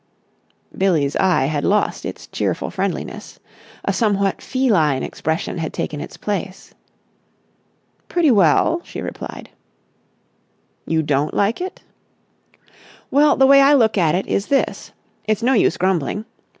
Billie's eye had lost its cheerful friendliness. A somewhat feline expression had taken its place. "Pretty well," she replied. "You don't like it?" "Well, the way I look at it is this. It's no use grumbling.